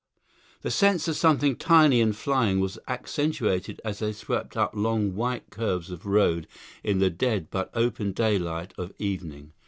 The sense of something tiny and flying was accentuated as they swept up long white curves of road in the dead but open daylight of evening.